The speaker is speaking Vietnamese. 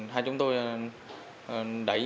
hai chúng tôi đẩy